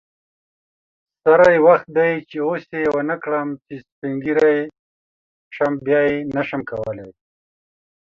سری وخت دی چی اوس یی ونکړم چی سپین ږیری شم بیا نشم کولی